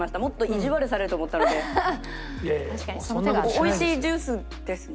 美味しいジュースですね。